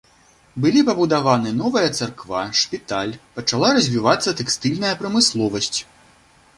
Былі пабудаваны новая царква, шпіталь, пачала развівацца тэкстыльная прамысловасць.